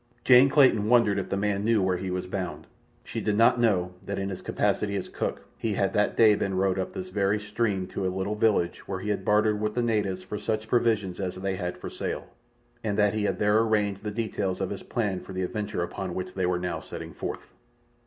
Jane Clayton wondered if the man knew where he was bound. She did not know that in his capacity as cook he had that day been rowed up this very stream to a little village where he had bartered with the natives for such provisions as they had for sale, and that he had there arranged the details of his plan for the adventure upon which they were now setting forth.